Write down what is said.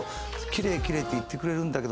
「きれいきれいって言ってくれるんだけど」。